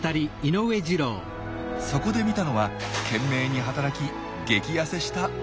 そこで見たのは懸命に働き激ヤセした親鳥の姿。